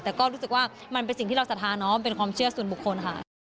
แต่ก็รู้สึกว่ามันเป็นสิ่งที่เราศรัทธาเนาะมันเป็นความเชื่อส่วนบุคคลค่ะ